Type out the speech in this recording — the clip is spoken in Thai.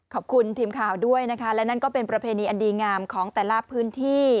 ขอบคุณทีมข่าวด้วยนะคะและนั่นก็เป็นประเพณีอันดีงามของแต่ละพื้นที่